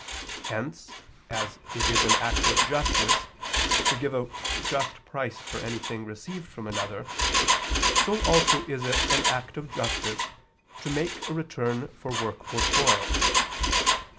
Hence, as it is an act of justice to give a just price for anything received from another, so also is it an act of justice to make a return for work or toil.